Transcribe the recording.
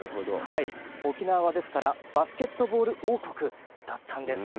沖縄は、ですからバスケットボール王国だったんです。